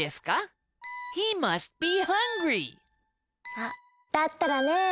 あっだったらねぇ。